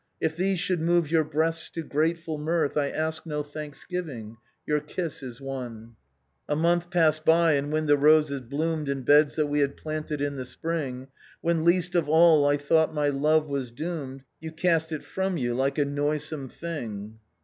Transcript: If these should move your breasts to grateful mirth, I ask no thanksgiving, your kiss is one.' " A month passed by ; and, when the roses bloomed In beds that we had planted in the spring. When least of all I thought my love was doomed, You cast it from you like a noisome thing.